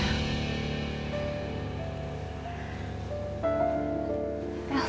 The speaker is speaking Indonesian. jangan dilih trabalho nanti